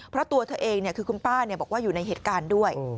เพราะตัวเธอเองคือคุณป้าบอกว่าอยู่ในเหตุการณ์ด้วย